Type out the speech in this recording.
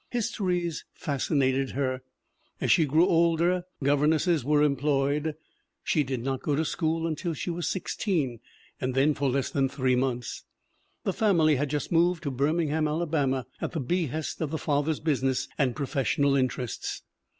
Histories fascinated her. As she grew older governesses were employed. She did not go to school until she was sixteen and then for less than three months. The family had just moved to Birmingham, Alabama, at the behest of the father's business and professional interests.